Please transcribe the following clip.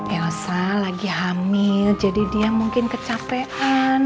elsa lagi hamil jadi dia mungkin kecapean